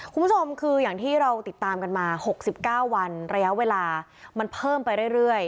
คุณผู้ชมคืออย่างที่เราติดตามกันมา๖๙วันระยะเวลามันเพิ่มไปเรื่อย